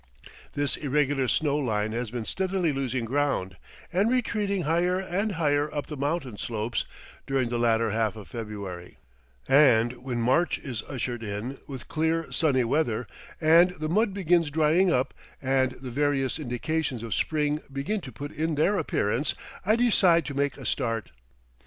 This irregular snow line has been steadily losing ground, and retreating higher and higher up the mountain slopes during the latter half of February, and when March is ushered in, with clear sunny weather, and the mud begins drying up and the various indications of spring begin to put in their appearance, I decide to make a start.